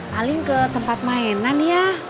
paling ke tempat mainan ya